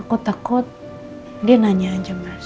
takut takut dia nanya aja mas